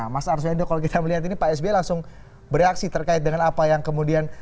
mas arswendo kalau kita melihat ini pak sby langsung bereaksi terkait dengan apa yang kemudian